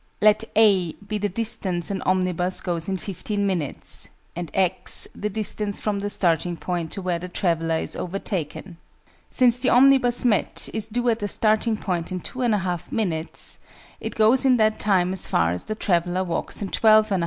_ Let "a" be the distance an omnibus goes in 15 minutes, and "x" the distance from the starting point to where the traveller is overtaken. Since the omnibus met is due at the starting point in 2 1/2 minutes, it goes in that time as far as the traveller walks in 12 1/2; _i.